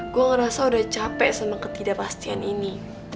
gue ngerasa udah capek sama ketidakpastian ini